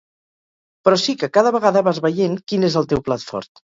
Però sí que cada vegada vas veient quin és el teu plat fort.